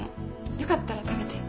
よかったら食べて。